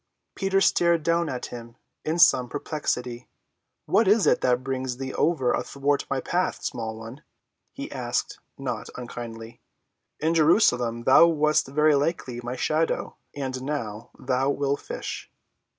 Peter stared down at him in some perplexity. "What is it that brings thee ever athwart my path, small one?" he asked, not unkindly. "In Jerusalem thou wast verily like my shadow—and now, thou wilt fish."